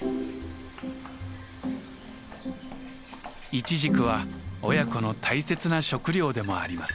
イチジクは親子の大切な食料でもあります。